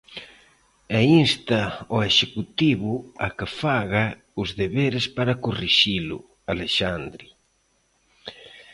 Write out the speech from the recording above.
E insta ao executivo a que faga os deberes para corrixilo, Alexandre...